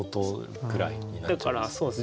だからそうです。